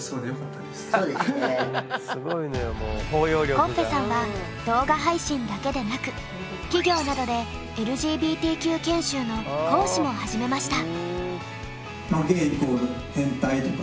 コッフェさんは動画配信だけでなく企業などでＬＧＢＴＱ研修の講師も始めました。